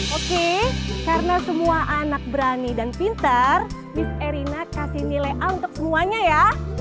oke karena semua anak berani dan pinter mis erina kasih nilai a untuk semuanya ya